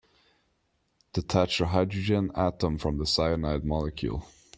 Detach the hydrogen atom from the cyanide molecule.